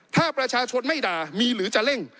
ถ้าประชาชนไม่ด่ามีหรือจะเร่ง